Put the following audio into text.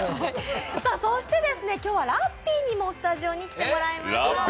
そして今日はラッピーもスタジオに来ていただきました。